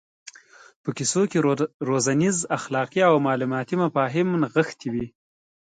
په کیسو کې روزنیز اخلاقي او معلوماتي مفاهیم نغښتي وي.